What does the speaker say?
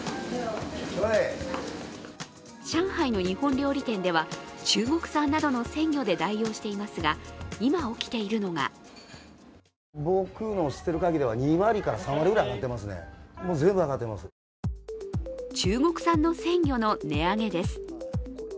上海の日本料理店では中国産などの鮮魚などで代用していますが、今、起きているのが中国産の鮮魚の値上げです。